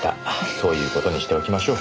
そういう事にしておきましょう。